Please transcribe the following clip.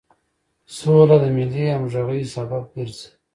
سوله د ملي همغږۍ سبب ګرځي.